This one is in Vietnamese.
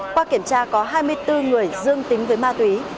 qua kiểm tra có hai mươi bốn người dương tính với ma túy